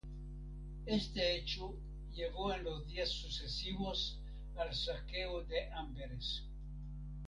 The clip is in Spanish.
Este hecho llevó en los días sucesivos al saqueo de Amberes.